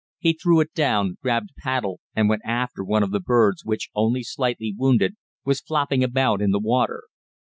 He threw it down, grabbed a paddle and went after one of the birds, which, only slightly wounded, was flopping about in the water.